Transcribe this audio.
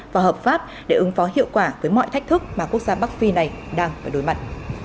và hợp pháp để ứng phó hiệu quả với mọi thách thức mà quốc gia bắc phi này đang phải đối mặt